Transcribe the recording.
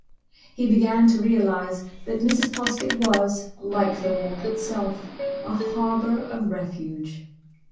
He began to realise that Mrs. Poskett was, like the Walk itself, a Harbour of Refuge.